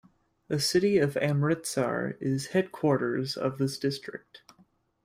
The city of Amritsar is headquarters of this district.